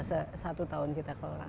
sepuluh juta satu tahun kita kelola